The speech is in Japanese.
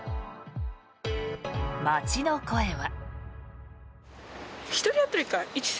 街の声は。